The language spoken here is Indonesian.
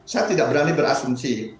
saya tidak berani berasumsi